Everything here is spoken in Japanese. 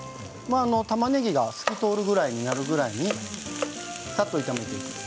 たまねぎが透き通るくらいになるくらいにさっと炒めていきます。